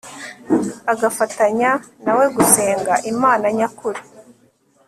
agafatanya nawe gusenga imana nyakuri